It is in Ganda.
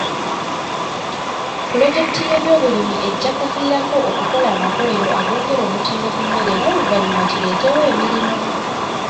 Pulojekiti y'ebyobulimi ejja kiviirako okukola amakolero ag'ongera omutindo ku mmere n'oluvannyuma kireetawo emirimu.